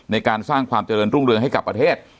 ในการสร้างความเจริญรุ่งเรืองให้กับประเทศ